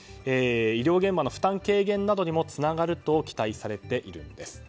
医療現場の負担軽減などにつながると期待されているんです。